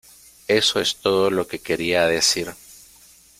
Eso es todo lo que quería decir.